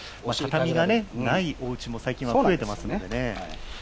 畳みがないおうちも最近は増えていますからね。